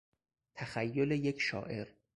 تخیل یک شاعر